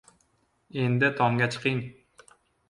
— Endi, tomga chiqing.